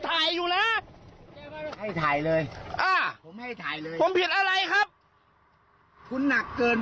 คุณมีหน้าที่ไหมครับชุดเนี่ย